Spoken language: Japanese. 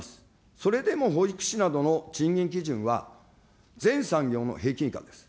それでも保育士などの賃金基準は全産業の平均以下です。